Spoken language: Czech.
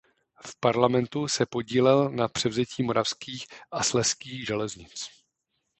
V parlamentu se podílel na převzetí moravských a slezských železnic.